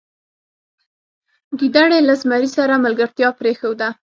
ګیدړې له زمري سره ملګرتیا پریښوده.